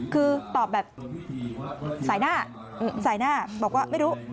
คือตอบแบบสายหน้าบอกว่าไม่รู้